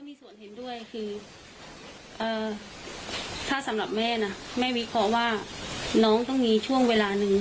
ก็มีส่วนเห็นด้วยคืออ่าถ้าสำหรับแหมวิเคาะว่าน้องต้องมีช่วงเวลาหนึ่ง